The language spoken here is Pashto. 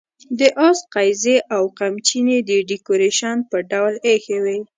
د آس قیضې او قمچینې د ډیکوریشن په ډول اېښې وې.